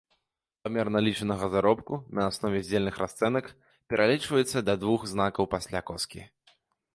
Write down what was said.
Памер налічанага заробку на аснове здзельных расцэнак пералічваецца да двух знакаў пасля коскі.